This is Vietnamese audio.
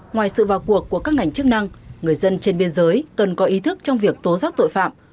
ngoài sự vào cuộc của các ngành chức năng người dân trên biên giới cần có ý thức trong việc tố giác tội phạm